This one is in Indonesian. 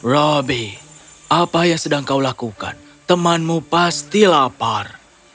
roby apa yang sedang kau lakukan temanmu pasti lapar